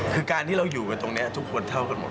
คือการที่เราอยู่กันตรงนี้ทุกคนเท่ากันหมด